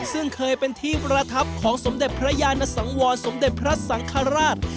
ซึ่งเคยเป็นที่ประทับของสมเด็จพระยานสังวรสมเด็จพระสังฆราช